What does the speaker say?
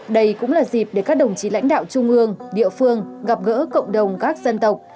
đây cũng là dịp để các đồng chí lãnh đạo trung ương địa phương gặp gỡ cộng đồng các dân tộc